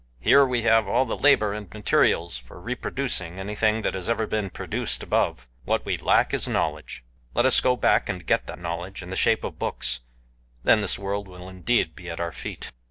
Here we have all the labor and materials for reproducing anything that ever has been produced above what we lack is knowledge. Let us go back and get that knowledge in the shape of books then this world will indeed be at our feet."